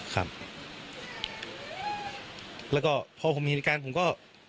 ครับแล้วก็พอผมเห็นเหตุการณ์ผมก็